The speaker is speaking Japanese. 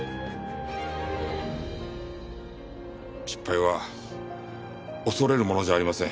失敗は恐れるものじゃありません。